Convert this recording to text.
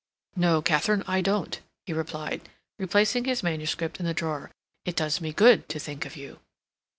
"No, Katharine, I don't," he replied, replacing his manuscript in the drawer. "It does me good to think of you."